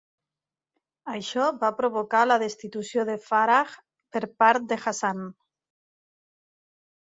Això va provocar la destitució de Farah per part de Hassan.